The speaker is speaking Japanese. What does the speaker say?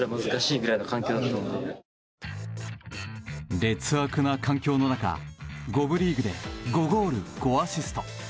劣悪な環境の中、５部リーグで５ゴール５アシスト。